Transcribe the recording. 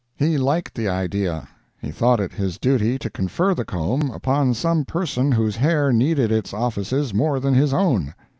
He liked the idea—he thought it his duty to confer the comb upon some person whose hair needed its offices more than his own.